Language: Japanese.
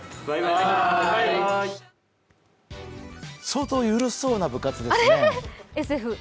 相当緩そうな部活ですね。